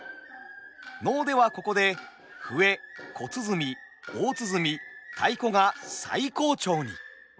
能ではここで笛小鼓大鼓太鼓が最高潮に。